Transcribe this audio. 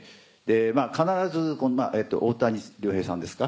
必ず大谷亮平さんですか？